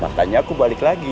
makanya aku balik lagi